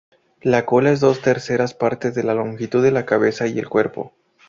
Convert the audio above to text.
La cola es dos terceras partes de la longitud de la cabeza y cuerpo.